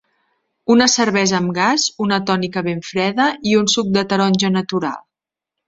Una cervesa amb gas, una tònica ben freda i un suc de taronja natural.